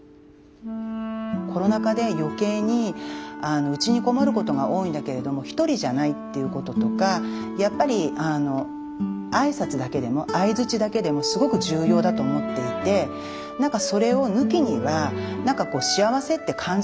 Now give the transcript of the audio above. コロナ禍で余計にうちに籠もることが多いんだけれども１人じゃないっていうこととかやっぱり挨拶だけでも相づちだけでもすごく重要だと思っていて何かそれを抜きには何かこう幸せって感じられないんじゃないかなと思うので。